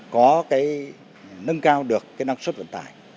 có cái nâng cao được cái năng suất vận tải